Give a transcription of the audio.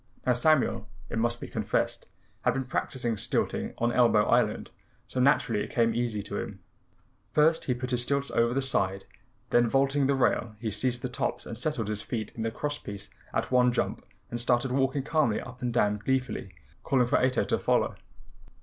Now Samuel, it must be confessed, had been practicing stilting on Elbow Island, so naturally it came easy to him. First he put his stilts over the side, then vaulting the rail, he seized the tops and settled his feet in the cross pieces at one jump and started walking calmly up and down gleefully calling for Ato to follow.